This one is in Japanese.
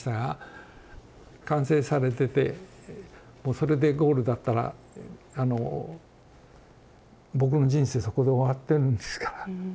完成されててそれでゴールだったら僕の人生そこで終わってるんですから。